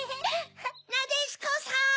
なでしこさん！